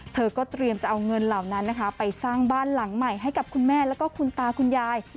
เธอก็เตรียมจะเอาเงินเหล่านั้นนะคะไปสร้างบ้านหลังใหม่ให้กับคุณแม่แล้วก็คุณตาคุณยาย